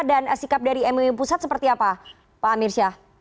dan sikap dari mui pusat seperti apa pak amirsyah